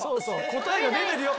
「答えが出てるよ。